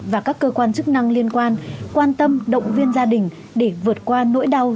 và các cơ quan chức năng liên quan quan tâm động viên gia đình để vượt qua nỗi đau